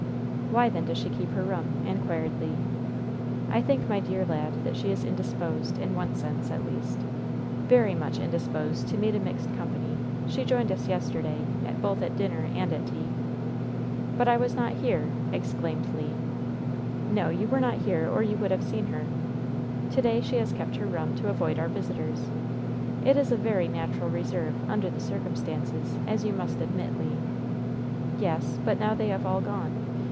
Why, then, does she keep her room?" inquired Le. "I think, my dear lad, that she is indisposed, in one sense, at least very much indisposed to meet a mixed company. She joined us yesterday both at dinner and at tea." "But I was not here!" exclaimed Le. "No, you were not here, or you would have seen her. To day she has kept her room to avoid our visitors. It is a very natural reserve, under the circumstances, as you must admit, Le." "Yes; but now they have all gone.